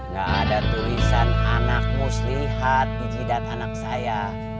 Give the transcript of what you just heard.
gak ada tulisan anakmu lihat di jidat anak saya